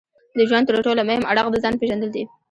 د ژوند ترټولو مهم اړخ د ځان پېژندل دي.